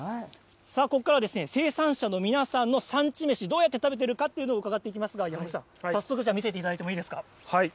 ここからは生産者の皆さんの産地めし、どうやって食べているかというのを伺っていきますが、早速、見せていただいてもいいですか。